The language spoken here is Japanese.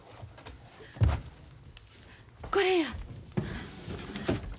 これや。